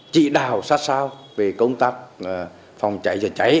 trị đảo sát sao về công tác phòng cháy dần cháy